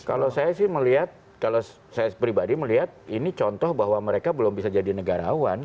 kalau saya sih melihat kalau saya pribadi melihat ini contoh bahwa mereka belum bisa jadi negarawan